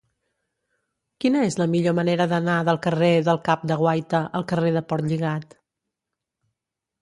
Quina és la millor manera d'anar del carrer del Cap de Guaita al carrer de Portlligat?